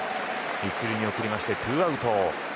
１塁に送りましてツーアウト。